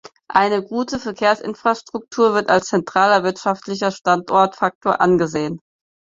Eine „gute“ Verkehrsinfrastruktur wird als zentraler wirtschaftlicher Standortfaktor angesehen.